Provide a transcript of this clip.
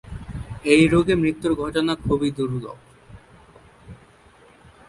এই রোগে মৃত্যুর ঘটনা খুবই দুর্লভ।